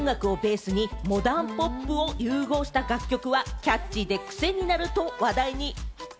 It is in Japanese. フラメンコ音楽をベースにモダンポップを融合した楽曲はキャッチーでクセになると話題に。